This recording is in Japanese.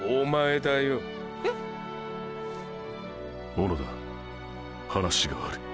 小野田話がある。